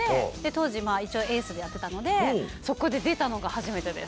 当時一応エースでやってたのでそこで出たのが初めてです。